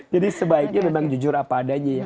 jadi sebaiknya memang jujur apa adanya ya